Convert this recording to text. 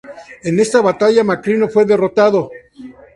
En esta batalla, Macrino fue derrotado.